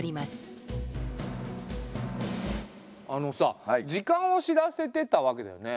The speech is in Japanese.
あのさ時間を知らせてたわけだよね。